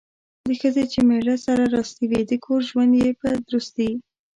د ښځې چې میړه سره راستي وي ،د کور ژوند یې په درستي